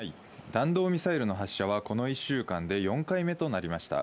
弾道ミサイルの発射はこの１週間で４回目となりました。